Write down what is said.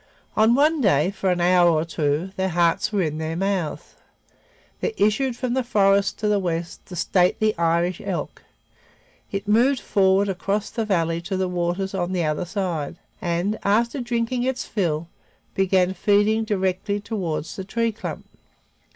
On one day, for an hour or two, their hearts were in their mouths. There issued from the forest to the westward the stately Irish elk. It moved forward across the valley to the waters on the other side, and, after drinking its fill, began feeding directly toward the tree clump.